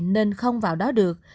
nên không vào đó được